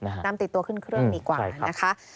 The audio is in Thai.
นำติดตัวขึ้นเครื่องดีกว่านะคะ